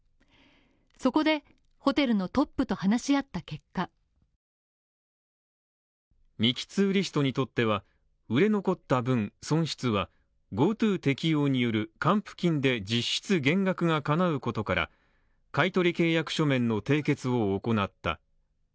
そこで、ホテルのトップと話し合った結果ミキ・ツーリストにとっては、売れ残った分、損失は、ＧｏＴｏ適用による還付金で実質減額がかなうことから、買取契約書面の締結を行った。